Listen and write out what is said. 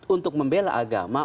untuk membela agama